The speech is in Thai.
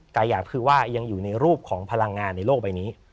แต่อย่างคือว่ายังอยู่ในรูปของพลังงานในโลกใบนี้